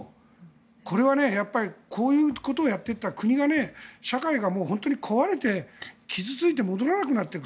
これはこういうことをやっていったら国が社会が本当に壊れて、傷付いて戻らなくなっていく。